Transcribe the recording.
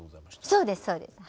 そうですそうです。